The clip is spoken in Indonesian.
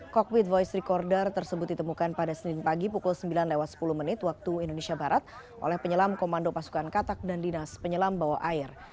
cockpit voice recorder tersebut ditemukan pada senin pagi pukul sembilan lewat sepuluh menit waktu indonesia barat oleh penyelam komando pasukan katak dan dinas penyelam bawah air